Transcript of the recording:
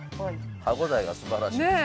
歯応えがすばらしいですね。